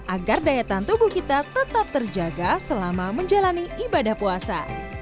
agar daya tahan tubuh kita tetap terjaga selama menjalani ibadah puasa